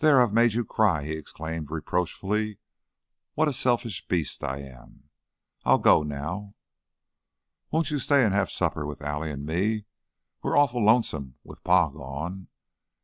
I've made you cry," he exclaimed, reproachfully. "What a selfish beast I am! I'll go now." "Won't you stay an' have supper with Allie an' me? We're awful lonesome with Pa gone.